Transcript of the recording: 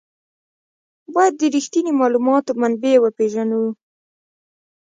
باید د رښتیني معلوماتو منبع وپېژنو.